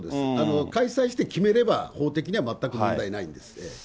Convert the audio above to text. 開催して決めれば、法的には全く問題ないんです。